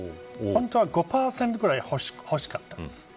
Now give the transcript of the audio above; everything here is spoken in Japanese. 本当は５％ぐらい欲しかったです。